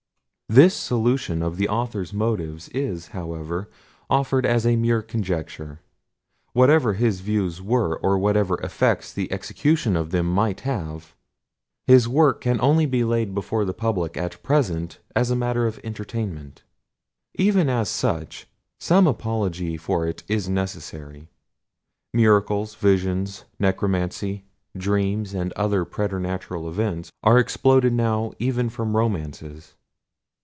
This solution of the author's motives is, however, offered as a mere conjecture. Whatever his views were, or whatever effects the execution of them might have, his work can only be laid before the public at present as a matter of entertainment. Even as such, some apology for it is necessary. Miracles, visions, necromancy, dreams, and other preternatural events, are exploded now even from romances.